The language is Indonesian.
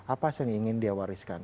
apa yang ingin dia wariskan